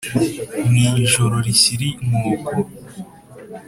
Mu ijoro rishyira inkoko